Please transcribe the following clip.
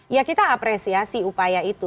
ya kita apresiasi upaya itu